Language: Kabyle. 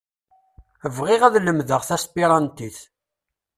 Bɣiɣ ad lemdeɣ taspirantit.